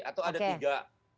atau ada tiga